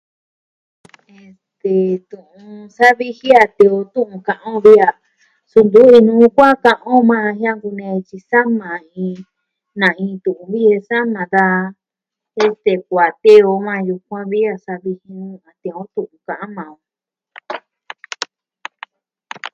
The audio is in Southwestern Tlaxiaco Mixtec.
Este tu'un sa'a viji a ntu'un ka'an on vi a suu ntu inuu kuaa ka'an on majan jiankunee je tyi sama jan tyi nani iin tu'un viji sama da kuaa tee o majan yukuan vi a sa'a viji nuu ni yukuan tee o tu'un ka'an maa on.